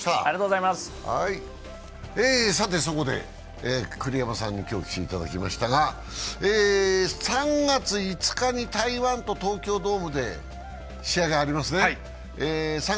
そこで栗山さんに今日、お越しいただきましたが、３月５日に台湾と東京ドームで試合がありますね。